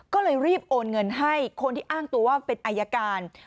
ก็เลยรีบโอนเงินให้คนที่อ้างตัวว่าเป็นอายการ